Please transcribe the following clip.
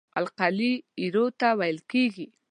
القلي ایرو ته ویل کیږي.